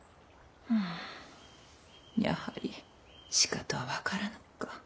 やはりしかとは分からぬか。